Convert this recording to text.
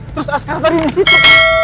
terus askara tadi disitu